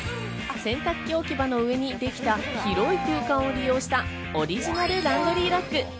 洗濯機置き場の上にできた広い空間を利用したオリジナルランドリーラック。